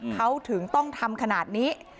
เขาถึงต้องทำขนาดนี้